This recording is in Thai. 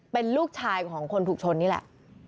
เป็นลูกชายของคนถูกชนนี่แหละ